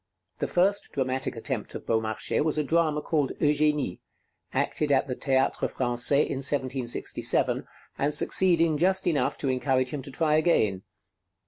The first dramatic attempt of Beaumarchais was a drama called 'Eugénie,' acted at the Théâtre Français in 1767, and succeeding just enough to encourage him to try again.